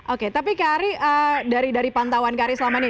oke tapi kak ari dari pantauan kak ari selama ini